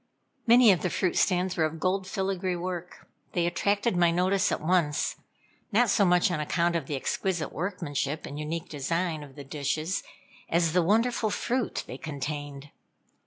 Many of the fruit stands were of gold filigree work. They attracted my notice at once, not so much on account of the exquisite workmanship and unique design of the dishes, as the wonderful fruit they contained.